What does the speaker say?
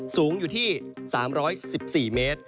สูงอยู่ที่๓๑๔เมตร